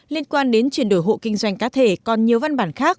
liên quan đến chuyển đổi hộ kinh doanh cá thể còn nhiều văn bản khác